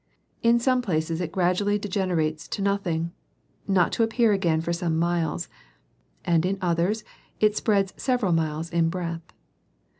In some places it gradually degenerates to nothing, not to appear again for some miles, and in others it spreads several miles in breadth.